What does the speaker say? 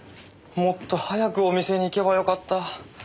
もっと早くお店に行けばよかった。